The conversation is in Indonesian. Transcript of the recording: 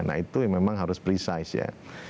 nah itu yang memang harus precise ya